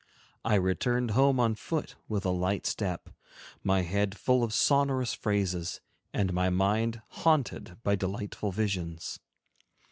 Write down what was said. I returned home on foot with a light step, my head full of sonorous phrases, and my mind haunted by delightful visions.